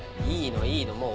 いいのいいの。